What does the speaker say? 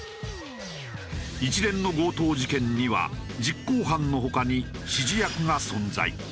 一連の強盗事件には実行犯の他に指示役が存在。